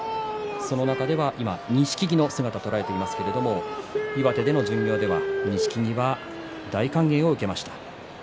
その中では今、錦木の姿を捉えていますが岩手県の巡業では錦木は大歓迎を受けました。